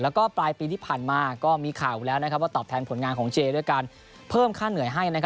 แล้วก็ปลายปีที่ผ่านมามีข่าวราวเต็มผลงานของเจด้วยการเพิ่มค่าเหนื่อยให้